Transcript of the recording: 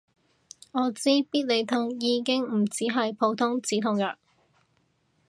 我知必理痛已經唔止係普通止痛藥